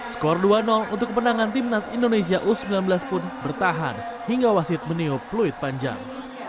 skor dua untuk kemenangan timnas indonesia u sembilan belas pun bertahan hingga wasit meniup fluid panjang